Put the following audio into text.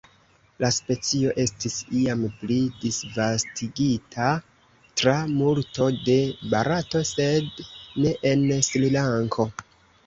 La specio estis iam pli disvastigita tra multo de Barato sed ne en Srilanko.